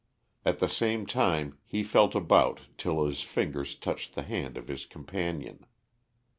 At the same time he felt about till his fingers touched the hand of his companion.